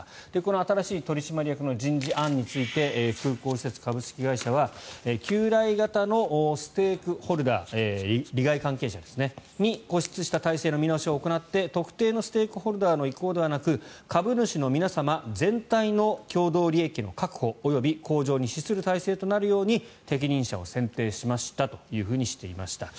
新しい取締役の人事案について空港施設株式会社は旧来型のステークホルダー利害関係者ですね固執した体制の見直しを行って特定のステークホルダーの意向ではなく株主の皆様全体の共同利益の確保、及び向上に資する体制となるように適任者を選定しましたとしていました。